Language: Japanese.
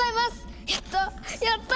やった！